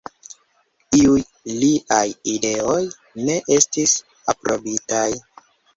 Iuj liaj ideoj ne estis aprobitaj.